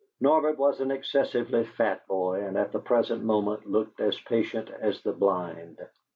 Norbert was an excessively fat boy, and at the present moment looked as patient as the blind.